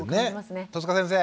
戸塚先生！